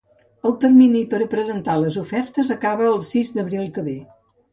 El termini per a presentar les ofertes acaba el sis d’abril que ve.